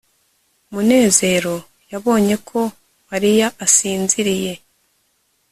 munezero yabonye ko mariya asinziriye